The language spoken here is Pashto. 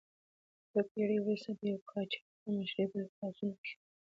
یوه پیړۍ وروسته د یوګاچف په مشرۍ بل پاڅون وشو.